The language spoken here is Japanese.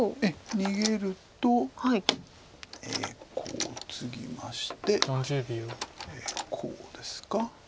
逃げるとこうツギましてこうですか。